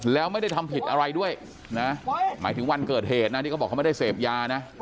แล้วไม่ได้ทำผิดอะไรด้วยนะหมายถึงวันเกิดเหตุนะที่เขาบอกเขาไม่ได้เสพยานะ